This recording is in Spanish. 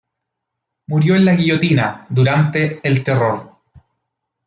Murió en la guillotina durante el Terror.